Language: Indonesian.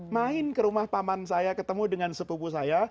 main ke rumah paman saya ketemu dengan sepupu saya